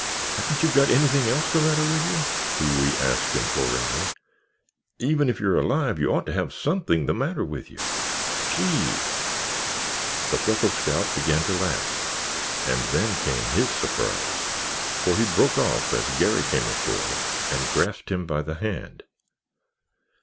"Haven't you got anything else the matter with you?" Pee wee asked imploringly. "Even if you're alive, you ought to have something the matter with you—— Gee!" The freckled scout began to laugh and then came his surprise, for he broke off as Garry came ashore, and grasped him by the hand.